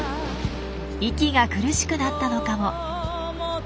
息が苦しくなったのかも。